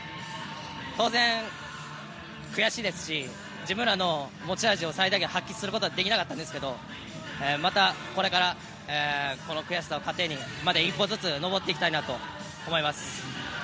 当然、悔しいですし自分らの持ち味を最大限発揮することはできなかったんですけどまたこれからこの悔しさを糧にまた一歩ずつ上っていきたいと思っています。